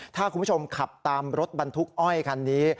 ถ้าคุณผู้ชมขับตามรถบรรทุกอ้อยคันนี้